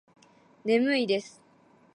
眠いです。